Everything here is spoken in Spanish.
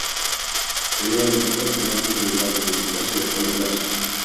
Se derivan de azúcares, generalmente derivados de glucosa, y alcoholes grasos.